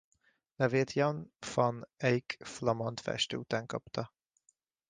Nevét Jan van Eyck flamand festő után kapta.